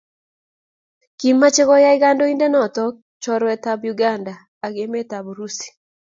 kimachei koyai kandoindenoto chorwet ab Uganda ak emet ab Urusi